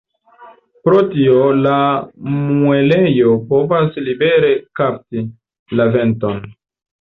Pro tio la muelejo povas libere “kapti” la venton.